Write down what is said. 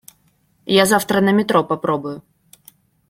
Я завтра на метро попробую.